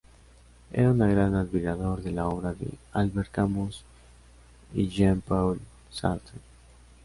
Era una gran admirador de la obra de Albert Camus y Jean-Paul Sartre.